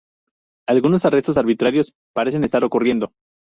Algunos arrestos arbitrarios parecen estar ocurriendo.